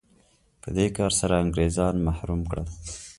په دې کار سره انګرېزان محروم کړل.